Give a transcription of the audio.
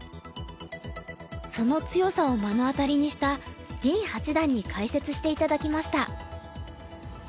その強さを目の当たりにした林八段に解説して頂きました。